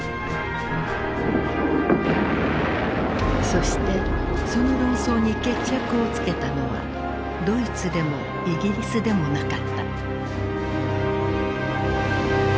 そしてその論争に決着をつけたのはドイツでもイギリスでもなかった。